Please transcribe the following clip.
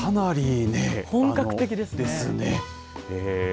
本格的ですね。